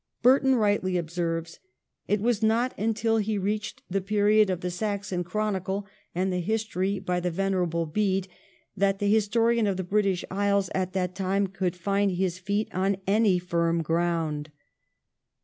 Burton rightly observes ' It was not until he reached the period of the Saxon Chronicle and the History by the Venerable Bede, that the historian of the British Isles at that time could find his feet on any firm ground.'